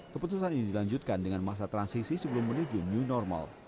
keputusan ini dilanjutkan dengan masa transisi sebelum menuju new normal